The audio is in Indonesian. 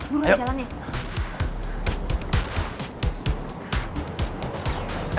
buruan jalan ya